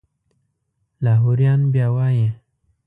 لاهوریان بیا وایي.